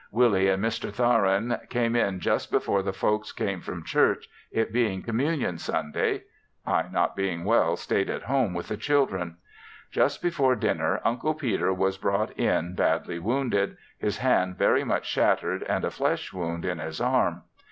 Willie and Mr. Tharin came in just before the folks came from church, it being communion Sunday. (I not being well, stayed at home with the children.) Just before dinner Uncle Peter was brought in badly wounded, his hand very much shattered and a flesh wound in his arm.